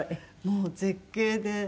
もう絶景で。